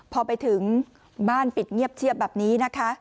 พอไปถึงบ้านปิดเงียบเชียบแบบนี้นะคะ